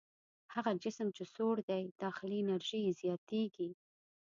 هغه جسم چې سوړ دی داخلي انرژي یې زیاتیږي.